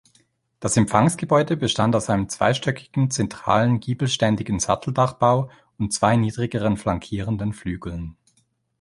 Das Empfangsgebäude bestand aus einem zweistöckigen zentralen, giebelständigen Satteldachbau und zwei niedrigeren flankierenden Flügeln.